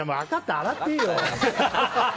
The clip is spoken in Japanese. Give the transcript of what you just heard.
洗っていいよって。